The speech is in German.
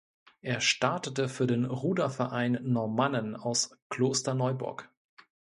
Er startete für den Ruderverein Normannen aus Klosterneuburg.